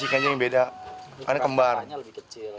kakaknya lebih kecil